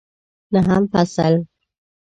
نهم فصل